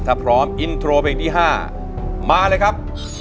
ถ้าพร้อมอินโทรเพลงที่๕มาเลยครับ